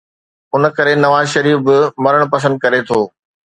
ان ڪري نواز شريف به مرڻ پسند ڪري ٿو.